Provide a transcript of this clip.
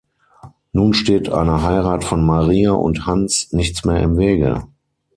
Nun steht einer Heirat von Maria und Hans nichts mehr im Wege.